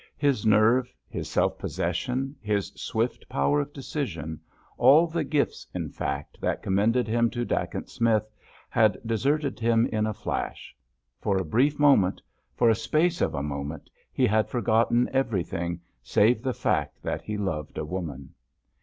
His nerve, his self possession, his swift power of decision—all the gifts, in fact, that commended him to Dacent Smith, had deserted him in a flash. For a brief moment—for a space of a moment—he had forgotten everything, save the fact that he loved a woman.